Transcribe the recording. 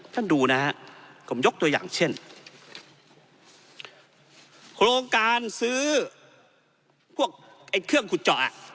ท่านดูนะฮะผมยกตัวอย่างเช่นโครงการซื้อพวกไอ้เครื่องขุดเจาะ